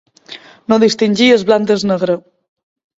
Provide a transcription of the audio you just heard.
No distingir el blanc del negre.